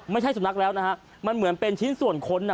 ไม่ใช่สุนัขแล้วนะฮะมันเหมือนเป็นชิ้นส่วนคนอ่ะ